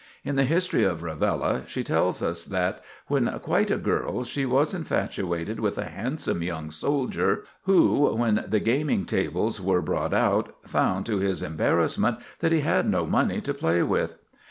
In the "History of Rivella," she tells us that, when quite a girl, she was infatuated with a handsome young soldier who, when the gaming tables were brought out, found, to his embarrassment, that he had no money to play with.